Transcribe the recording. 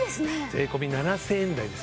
税込み７，０００円台です。